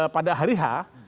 pada hari h